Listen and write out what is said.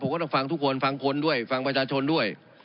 ก็ต้องฟังทุกคนฟังคนด้วยฟังประชาชนด้วย